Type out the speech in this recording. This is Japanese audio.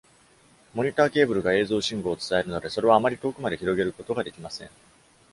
モニターケーブルが映像信号を伝えるので、それはあまり遠くまで広げることができません。